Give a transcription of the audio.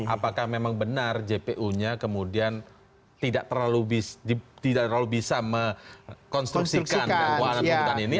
apakah memang benar jpu nya kemudian tidak terlalu bisa mengkonstruksikan keuangan ini